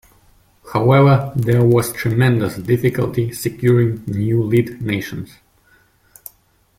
However, there was tremendous difficulty securing new lead nations.